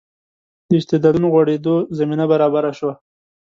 د استعدادونو غوړېدو زمینه برابره شوه.